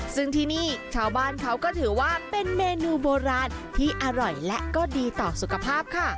ซึ่งที่นี่ชาวบ้านเขาก็ถือว่าเป็นเมนูโบราณที่อร่อยและก็ดีต่อสุขภาพค่ะ